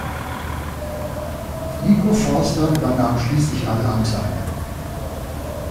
Nico Forster übernahm schließlich alle Anteile.